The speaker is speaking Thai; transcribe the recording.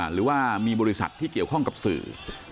หรือว่ามีบริษัทที่เกี่ยวข้องกับสื่อ